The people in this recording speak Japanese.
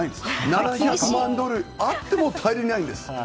７００万ドルあっても足りないんです。